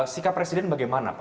sikap presiden bagaimana